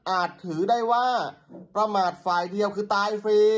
ถือได้ว่าประมาทฝ่ายเดียวคือตายฟรี